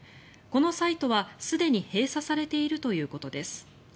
このサイトはすでに閉鎖されているということです。